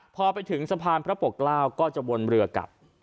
พอไปถึงสะพานพระปกเกล้าก็จะวนเรือกลับ